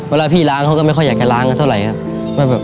เวลาพี่ล้างเขาก็ไม่ค่อยอยากจะล้างกันเท่าไหร่ครับ